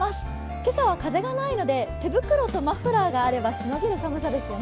今朝は風がないので手袋とマフラーがあればしのげる寒さですね。